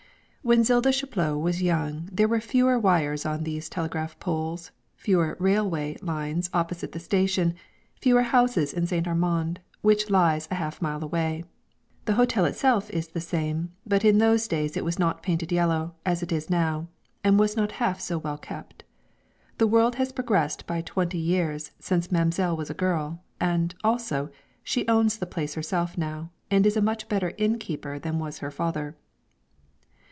When Zilda Chaplot was young there were fewer wires on these telegraph poles, fewer railway lines opposite the station, fewer houses in St. Armand, which lies half a mile away. The hotel itself is the same, but in those days it was not painted yellow, as it is now, and was not half so well kept. The world has progressed by twenty years since mam'selle was a girl, and, also, she owns the place herself now, and is a much better inn keeper than was her father.